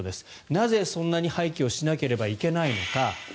なぜそんなに廃棄をしなければいけないのか。